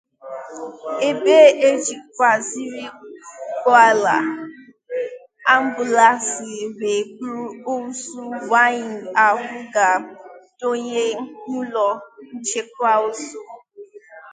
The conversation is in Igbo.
ebe e jikwazịrị ụgbọala ambụlansị wee buru ozu nwaanyị ahụ ga dọnye n'ụlọ nchekwa ozu.